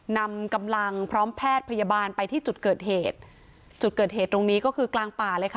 นำกำลังพร้อมแพทย์พยาบาลไปที่จุดเกิดเหตุจุดเกิดเหตุตรงนี้ก็คือกลางป่าเลยค่ะ